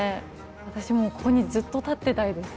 私もうここにずっと立ってたいです。